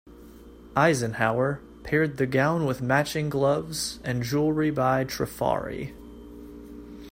Eisenhower paired the gown with matching gloves, and jewelry by Trifari.